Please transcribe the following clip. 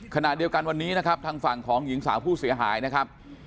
ขณะเดียวกันวันนี้นะครับทางฝั่งของหญิงสาวผู้เสียหายนะครับ